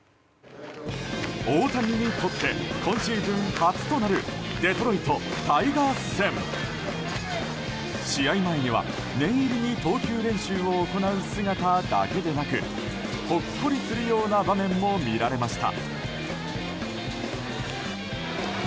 大谷にとって今シーズン初となるデトロイト・タイガース戦。試合前には、念入りに投球練習を行う姿だけでなくほっこりするような場面も見られました。